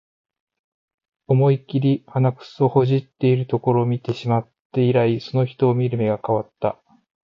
思いっきり鼻くそほじってるところ見てしまって以来、その人を見る目が変わった